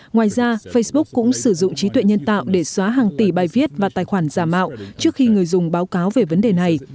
ngoài ra facebook cũng sử dụng trí tuệ nhân tạo để xóa hàng tỷ bài viết và tài khoản giả mạo trước khi người dùng báo cáo về vấn đề này